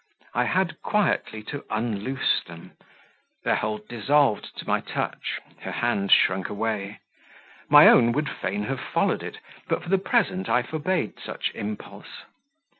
I had quietly to unloose them; their hold dissolved to my touch; her hand shrunk away; my own would fain have followed it, but for the present I forbade such impulse.